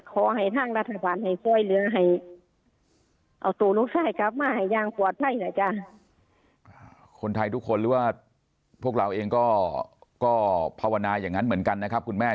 คนไทยทุกคนหรือว่าพวกเราเองก็ภาวนาอย่างนั้นเหมือนกันนะครับคุณแม่